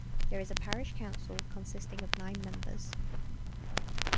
There is a parish council, consisting of nine members.